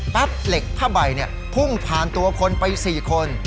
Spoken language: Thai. เหล็กผ้าใบพุ่งผ่านตัวคนไป๔คน